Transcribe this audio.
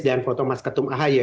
dan foto mas ketum ahaya